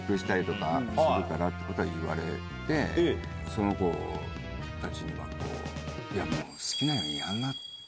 その子たちには。